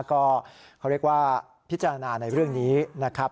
ก็เขาเรียกว่าพิจารณาในเรื่องนี้นะครับ